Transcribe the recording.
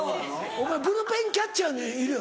お前ブルペンキャッチャーにいるよ